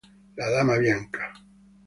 La dama bianca